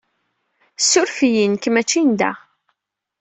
Ssuref-iyi. Nekk maci n da.